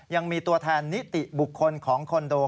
ยังมีตัวแทนนิติบุคคลของคอนโด